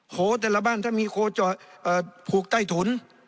โคแต่ละบ้านถ้ามีโคผูกใต้ถุน